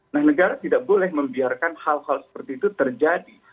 nah negara tidak boleh membiarkan hal hal seperti itu terjadi